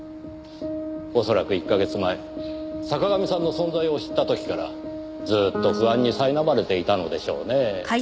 おそらく１カ月前坂上さんの存在を知った時からずっと不安に苛まれていたのでしょうね。